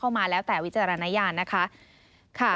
มาแล้วแต่วิจารณญาณนะคะ